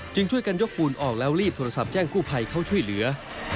ช่วยกันยกปูนออกแล้วรีบโทรศัพท์แจ้งกู้ภัยเขาช่วยเหลือ